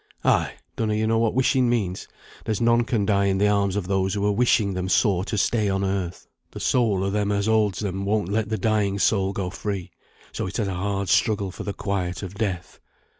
"Ay; donno ye know what wishing means? There's none can die in the arms of those who are wishing them sore to stay on earth. The soul o' them as holds them won't let the dying soul go free; so it has a hard struggle for the quiet of death.